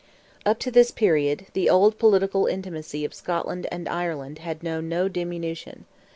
Up to this period, the old political intimacy of Scotland and Ireland had known no diminution.